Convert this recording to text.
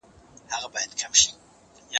زه به سبا کتابتوننۍ سره وخت تېره کړم،